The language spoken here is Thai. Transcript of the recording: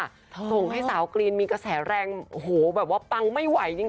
ส่งให้สาวกรีนมีกระแสแรงโอ้โหแบบว่าปังไม่ไหวจริง